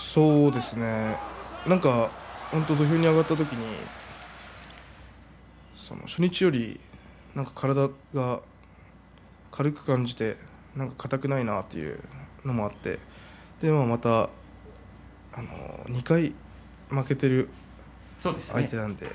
本当に土俵に上がった時に初日より、なんか体が軽く感じて硬くないなというのもあってでも、また２回負けている相手なんで